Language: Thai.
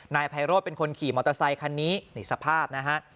นายไพโรธเป็นคนขี่มอเตอร์ไซคันนี้นี่สภาพนะฮะ